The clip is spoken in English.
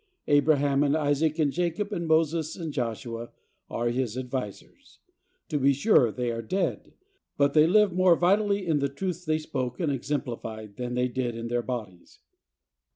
Abraham and Isaac and Jacob and Moses and Joshua are his advisers. To be sure they are dead, but they live more vitally in the truths they spoke and exemplified than they did in their bodies.